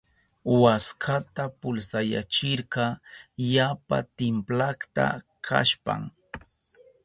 Waskata pulsayachirka yapa timplakta kashpan.